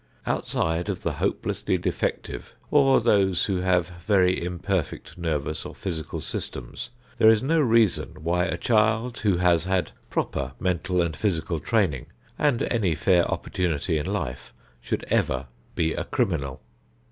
Outside of the hopelessly defective, or those who have very imperfect nervous or physical systems, there is no reason why a child who has had proper mental and physical training and any fair opportunity in life should ever be a criminal.